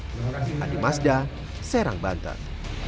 hadi mazda serang banten